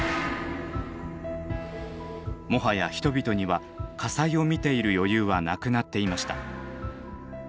もはや人々には火災を見ている余裕はなくなっていました。